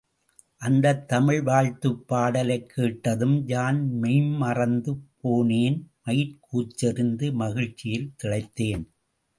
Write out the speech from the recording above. அந்தத் தமிழ் வாழ்த்துப் பாடலைக் கேட்டதும் யான் மெய்ம் மறந்து போனேன் மயிர்க்கூச்செறிந்து மகிழ்ச்சியில் திளைத்தேன்.